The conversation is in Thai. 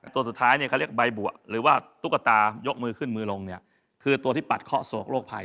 ตัวสุดท้ายเนี่ยเขาเรียกใบบัวหรือว่าตุ๊กตายกมือขึ้นมือลงเนี่ยคือตัวที่ปัดเคาะสวกโรคภัย